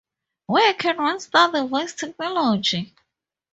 Where can one study voice technology?